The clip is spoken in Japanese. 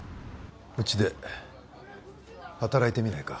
うちで働いてみないか